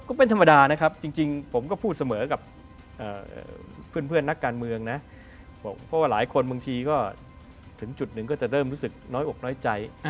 ก็เป็นธรรมดานะครับจริงผมก็พูดเสมอกับเพื่อนนักการเมืองนะเพราะว่าหลายคนบางทีก็ถึงจุดหนึ่งก็จะเริ่มรู้สึกน้อยอกน้อยใจ